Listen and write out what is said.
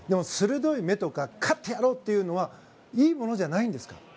鋭い目や勝ってやろう！というのはいいものじゃないんですか？